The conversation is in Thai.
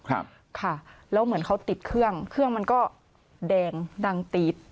ครับค่ะแล้วเหมือนเขาติดเครื่องเครื่องมันก็แดงดังตี๊ด